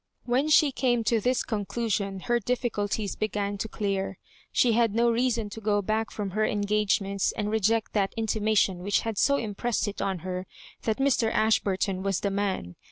When she came to this conclusion, her difficulties began to clear. She had no reason to go back from her engagements and reject that intimation which had so impressed it on her, that Mr. Ashbur ton was the man.